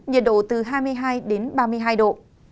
nhiệt độ từ hai mươi hai đến ba mươi hai độ